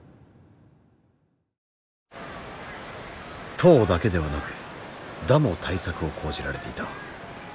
投だけではなく打も対策を講じられていた。